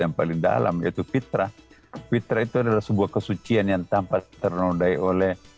yang paling dalam yaitu fitrah fitrah itu adalah sebuah kesucian yang tanpa ternodai oleh